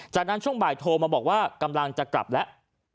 จากนั้นช่วงบ่ายโทรมาบอกว่ากำลังจะกลับแล้ว